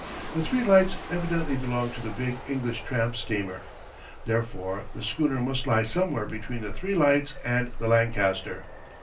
The three lights evidently belonged to the big English tramp steamer. Therefore the schooner must lie somewhere between the three lights and the Lancaster.